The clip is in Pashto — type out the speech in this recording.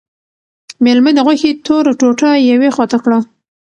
مېلمه د غوښې توره ټوټه یوې خواته کړه.